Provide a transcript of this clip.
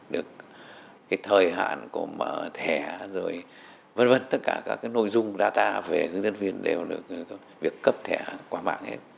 được cái thời hạn của mở thẻ rồi vân vân tất cả các cái nội dung data về hướng dẫn viên đều được việc cấp thẻ qua mạng hết